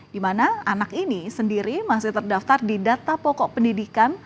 di mana anak ini sendiri masih terdaftar di data pokok pendidikan